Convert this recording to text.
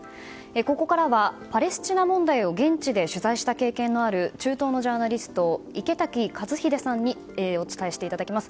ここからはパレスチナ問題を現地で取材した経験のある中東のジャーナリスト池滝和秀さんにお伝えしていただきます。